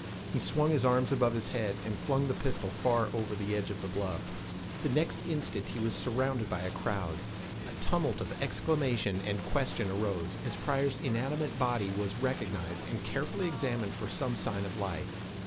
He swung his arm above his head, and flung the pistol far over the edge of the bluff. The next instant he was surrounded by a crowd; a tumult of exclamation and question arose, as Pryor's inanimate body was recognized, and carefully examined for some sign of life.